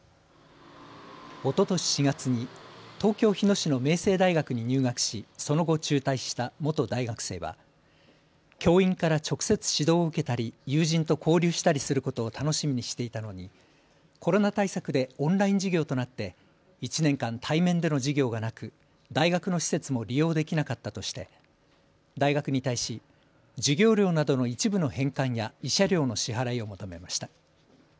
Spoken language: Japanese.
おととし４月に東京日野市の明星大学に入学しその後、中退した元大学生は教員から直接指導を受けたり友人と交流したりすることを楽しみにしていたのに、コロナ対策でオンライン授業となって１年間対面での授業がなく大学の施設も利用できなかったとして大学に対し授業料などの一部の返還や慰謝料の支払いを求めました。